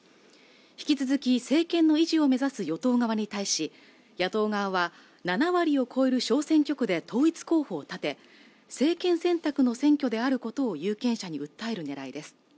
引き続き政権の維持を目指す与党側に対し野党側は７割を超える小選挙区で統一候補を立て政権選択の選挙であることを有権者に訴える狙いです